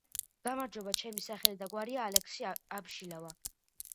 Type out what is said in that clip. გამარჯობა ჩემი სახელი და გვარია ალექსი აბშილავა